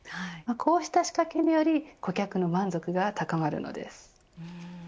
こうした仕掛けにより顧客の満足が高まるのです。